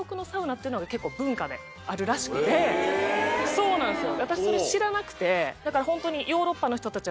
そうなんですよ。